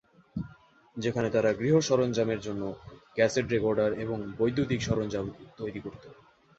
যেখানে তারা গৃহ সরঞ্জামের জন্য ক্যাসেট রেকর্ডার এবং বৈদ্যুতিক উপাদান তৈরি করতো।